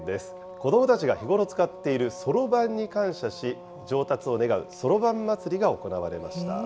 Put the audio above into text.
子どもたちが日ごろ使っているそろばんに感謝し、上達を願うそろばん祭りが行われました。